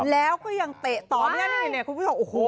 แล้วก็ยังเตะต่อไหมอย่างนี้เนี่ยพูดประโยชน์โอ้โห